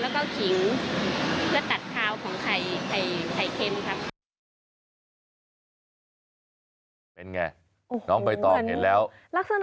ไข่ไม่แตะกล้วยเพื่อเติมสีสันให้มันดูสวยงามขึ้น